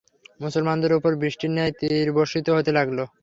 মুসলমানদের উপর বৃষ্টির ন্যায় তীর বর্ষিত হতে লাগল।